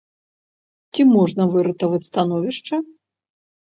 Ці можна выратаваць становішча?